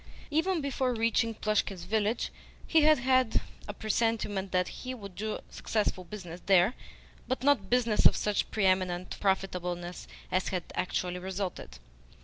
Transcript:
Even before reaching Plushkin's village he had had a presentiment that he would do successful business there, but not business of such pre eminent profitableness as had actually resulted.